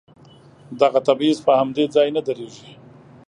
دغه تبعيض په همدې ځای نه درېږي.